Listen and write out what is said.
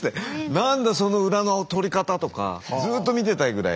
何だその裏の取り方とかずっと見てたいぐらい。